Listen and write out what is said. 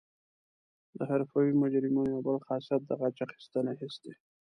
د حرفوي مجرمینو یو بل خاصیت د غچ اخیستنې حس دی